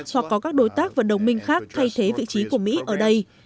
hoặc có các đối tác và đồng minh khác thay thế vị trí của mỹ ở đây